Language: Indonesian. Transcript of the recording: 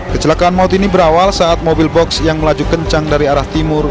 kecelakaan maut ini berawal saat mobil box yang melaju kencang dari arah timur